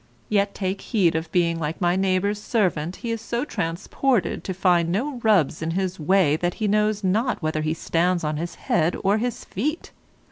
Yet take heed of being like my neighbour's servant, he is so transported to find no rubs in his way that he knows not whether he stands on his head or his feet.